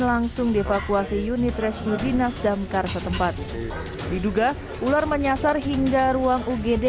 langsung dievakuasi unit reshudinas damkar setempat diduga ular menyasar hingga ruang ugd